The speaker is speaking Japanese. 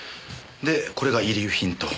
でこれが遺留品と。